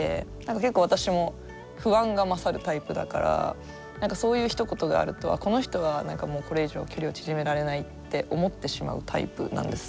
結構私も不安が勝るタイプだからそういうひと言があるとこの人は何かもうこれ以上距離を縮められないって思ってしまうタイプなんです。